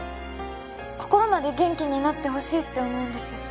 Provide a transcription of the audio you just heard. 心まで元気になってほしいって思うんです